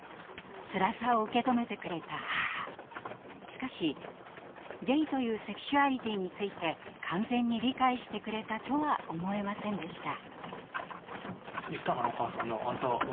しかしゲイというセクシュアリティーについて完全に理解してくれたとは思えませんでした。